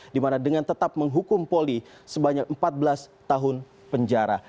dimana dengan tetap menghukum poli sebanyak empat belas tahun penjara